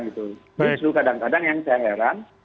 justru kadang kadang yang saya heran